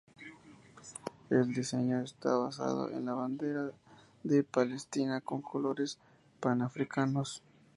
El diseño está basado en la bandera de palestina con colores panafricanos.